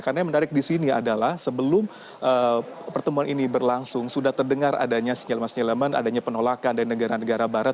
karena yang menarik di sini adalah sebelum pertemuan ini berlangsung sudah terdengar adanya sinyelman sinyelman adanya penolakan dari negara negara barat